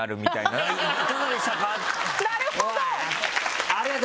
なるほど！